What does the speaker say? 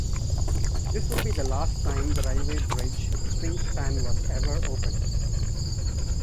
This would be the last time the railway bridge swing span was ever opened.